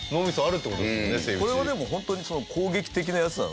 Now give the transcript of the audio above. これはでもホントに攻撃的なやつなの？